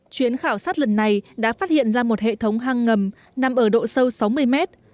chuyến khảo sát lần này đã phát hiện ra một hệ thống hang ngầm nằm ở độ sâu sáu mươi mét